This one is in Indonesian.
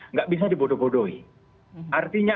nggak bisa dibodoh bodohi artinya